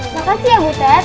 makasih ya putet